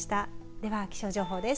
では気象情報です。